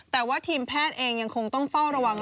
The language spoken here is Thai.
แต่ว่าทีมแพทย์เองยังคงต้องเฝ้าระวัง